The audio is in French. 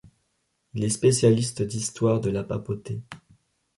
Il est spécialiste d'histoire de la papauté.